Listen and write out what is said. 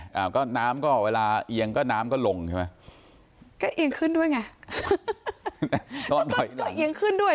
อ่าก็น้ำก็เวลาเอียงก็น้ำก็ลงใช่ไหมก็เอียงขึ้นด้วยไงลดหน่อยเอียงขึ้นด้วย